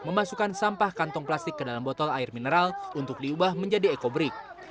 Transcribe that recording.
memasukkan sampah kantong plastik ke dalam botol air mineral untuk diubah menjadi ekobrik